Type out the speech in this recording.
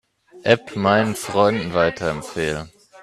App meinen Freunden weiterempfehlen.